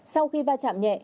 sau khi va chạm nhẹ